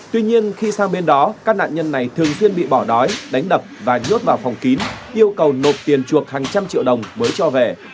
tuy nhiên khi sang bên đó các nạn nhân này thường xuyên bị bỏ đói đánh đập và nhốt vào phòng kín yêu cầu nộp tiền chuộc hàng trăm triệu đồng mới cho về